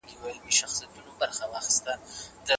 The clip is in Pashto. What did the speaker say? د مڼو په لوی باغ کې کار کول ډیر خوندور وي.